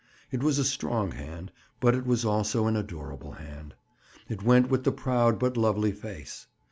It was a strong hand, but it was also an adorable hand. It went with the proud but lovely face.